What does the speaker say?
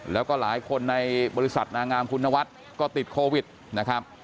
แล้วก็หลายคนในบริษัทนางามคุณนวัฒน์ก็ติดโควิดนะครับ